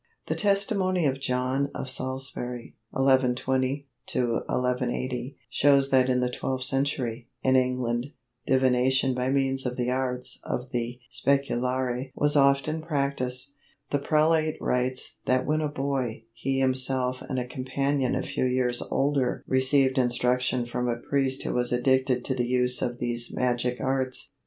The testimony of John of Salisbury (1120? 1180) shows that in the twelfth century, in England, divination by means of the arts of the specularii was often practised. The prelate writes that when a boy, he himself and a companion a few years older received instruction from a priest who was addicted to the use of these magic arts.